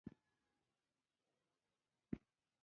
افغانستان د پسونو د ساتنې لپاره ځانګړي قوانين لري.